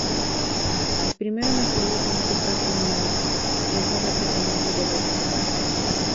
El primero en hacerle frente fue Kung Lao, quien fue rápidamente derrotado.